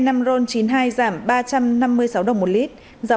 xăng n năm ron chín mươi hai giảm ba trăm năm mươi sáu đồng một lit